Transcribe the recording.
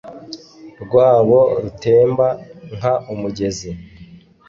rwabo rutemba nk umugezi